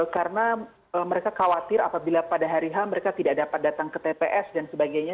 karena mereka khawatir apabila pada hari h mereka tidak dapat datang ke tps dan sebagainya